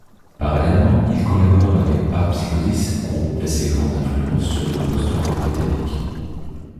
Parallèlement, il collabore avec Bark Psychosis, groupe d'assez grande influence sur le post-rock britannique.